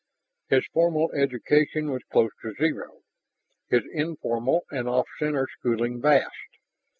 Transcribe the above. His formal education was close to zero, his informal and off center schooling vast.